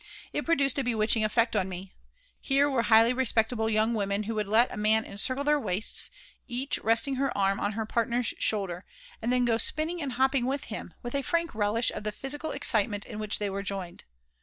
It produced a bewitching effect on me. Here were highly respectable young women who would let men encircle their waists, each resting her arm on her partner's shoulder, and then go spinning and hopping with him, with a frank relish of the physical excitement in which they were joined.